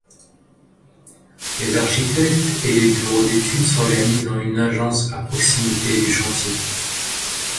Les architectes et les bureaux d'études s'organisent en une agence à proximité du chantier.